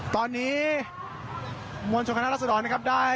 ตอนนี้มวลชนคณะรัศดรนะครับได้